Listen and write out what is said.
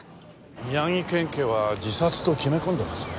宮城県警は自殺と決め込んでますね。